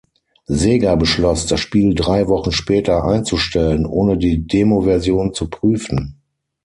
Sega beschloss, das Spiel drei Wochen später einzustellen, ohne die Demoversion zu prüfen.